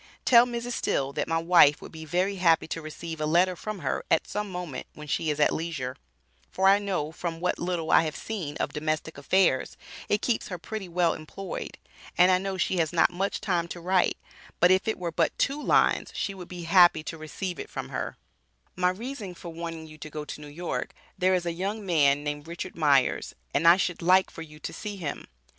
Tell Mrs Still that my wife would be very happy to receive a letter from her at some moment when she is at leisure, for I know from what little I have seen of domestic affairs it keeps her pretty well employed, And I know she has not much time to write but if it were but two lines, she would be happy to receive it from her, my reason for wanting you to go to New York, there is a young man named Richard Myers and I should like for you to see him.